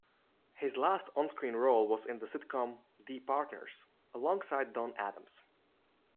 His last onscreen role was in the sitcom "The Partners", alongside Don Adams.